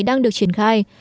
đang được triển khai